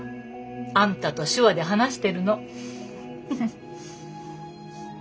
あんたと手話で話してるの。